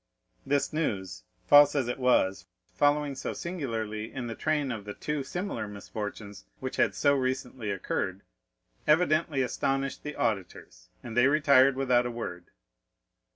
This news, false as it was following so singularly in the train of the two similar misfortunes which had so recently occurred, evidently astonished the auditors, and they retired without a word.